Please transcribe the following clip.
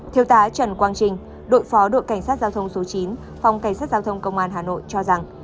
thiêu tá trần quang trình đội phó đội cảnh sát giao thông số chín phòng cảnh sát giao thông công an hà nội cho rằng